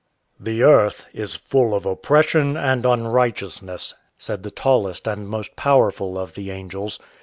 "The Earth is full of oppression and unrighteousness," said the tallest and most powerful of the angels.